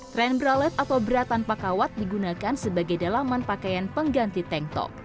tren bralette atau bra tanpa kawat digunakan sebagai dalaman pakaian pengganti tank top